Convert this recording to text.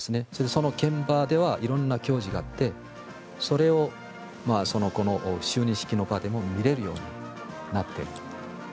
その現場では色んな行事があってそれをこの就任式の場でも見れるようになっている。